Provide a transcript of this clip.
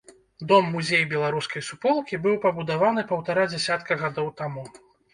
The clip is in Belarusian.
Дом-музей беларускай суполкі быў пабудаваны паўтара дзясятка гадоў таму.